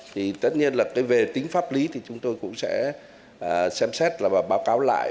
thì tất nhiên là về tính pháp lý thì chúng tôi cũng sẽ xem xét là và báo cáo lại